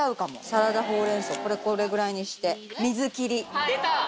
サラダほうれん草これこれぐらいにして。